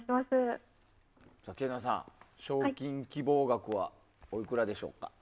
けいなさん、賞金希望額はおいくらでしょうか？